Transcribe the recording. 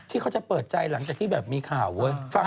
ที่เขาจะเปิดใจหลังจากที่แบบมีข่าว